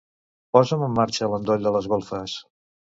Posa'm en marxa l'endoll de les golfes.